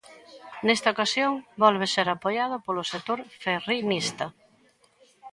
Nesta ocasión volve ser apoiado polo sector 'ferrinista'.